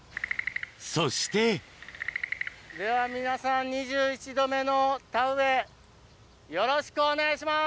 そしてでは皆さん２１度目の田植えよろしくお願いします！